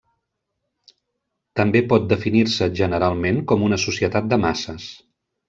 També pot definir-se generalment com una societat de masses.